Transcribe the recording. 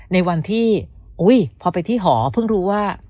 ในวันที่พอไปที่หอเพิ่งรู้ว่า